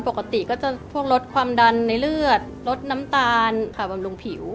ปกติก็จะพวกลดความดันในเลือดลดน้ำตาลค่ะบำรุงผิว